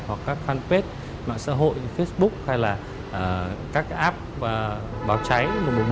hoặc các fanpage mạng xã hội như facebook hay là các app báo cháy một một bốn